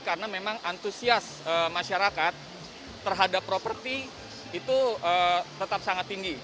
karena memang antusias masyarakat terhadap properti itu tetap sangat tinggi